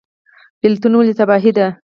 بیلتون ولې تباهي ده؟